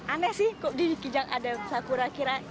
aneh sih kok di kijang ada sakura kira